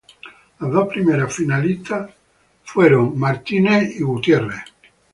Las dos primeras finalistas fueron Heather y Jess.